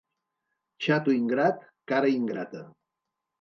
Xato ingrat, cara ingrata.